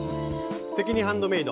「すてきにハンドメイド」